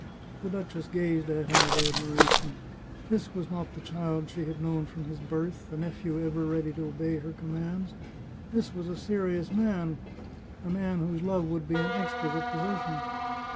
The duchess gazed at him with admiration. This was not the child she had known from his birth, the nephew ever ready to obey her commands. This was a serious man — a man whose love would be an exquisite possession.